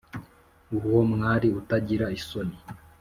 uwo mwari utagira isoni